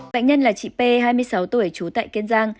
bệnh nhân là chị p hai mươi sáu tuổi trú tại kiên giang